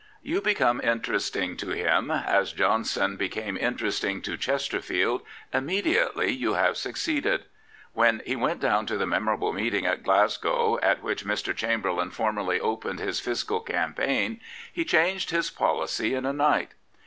You become in teresting to him, as Johnson became interesting to Chesterfield, immediately you have succeeded. V\^en he went down to that memorable meeting at Glasgow at which Mr. Chamberlain formally opened his fiscal campaign, he changed his policy in a night.